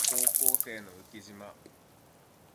高校生の浮島